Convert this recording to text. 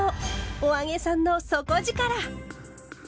「“お揚げさん”の底力！」。